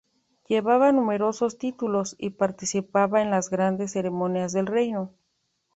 Llevaba numerosos títulos y participaba en las grandes ceremonias del reino.